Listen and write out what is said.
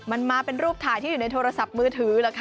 มันมาเป็นรูปถ่ายที่อยู่ในโทรศัพท์มือถือเหรอคะ